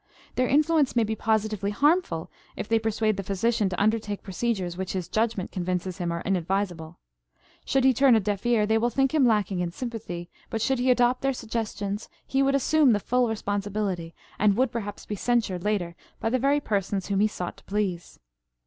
Their influence may be positively harmful if they persuade the physician to undertake procedures which his judgment convinces him are inadvisable. Should he turn a deaf ear, they will think him lacking in sympathy; but should he adopt their suggestions he would assume the full responsibility, and would perhaps be censured later by the very persons whom he sought to please.